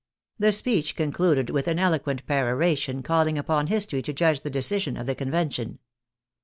The speech concluded with an eloquent peroration calling upon history to judge the decision of the Convention.